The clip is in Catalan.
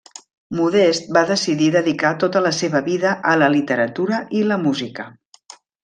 Modest va decidir dedicar tota la seva vida a la literatura i la música.